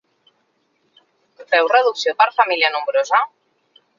Feu reducció per família nombrosa?